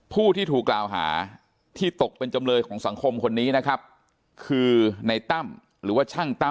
ผู้ที่ถูกกล่าวหาที่ตกเป็นจำเลยของสังคมคนนี้นะครับคือในตั้มหรือว่าช่างตั้